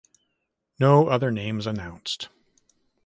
No other names announced.